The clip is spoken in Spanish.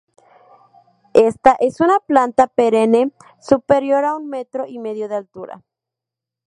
Esta es una planta perenne superior a un metro y medio de altura.